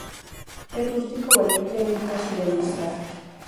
Es rústico, valiente y fácil de adiestrar.